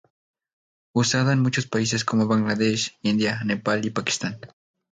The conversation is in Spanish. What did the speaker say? Usada en muchos países como Bangladesh, India, Nepal y Pakistán.